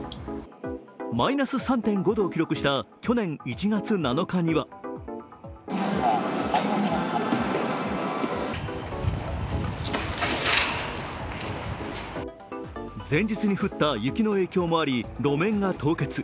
マイナス３．５度を記録した去年１月７日には前日に降った雪の影響もあり路面が凍結。